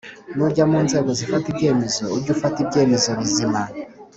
Nujya mu nzego zifata ibyemezo ujye ufata ibyemezo bizima